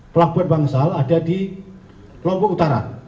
pelabuhan bangsal ada di lombok utara